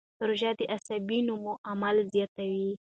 روژه د عصبي نمو عوامل زیاتوي.